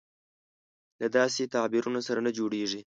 له داسې تعبیرونو سره نه جوړېږي.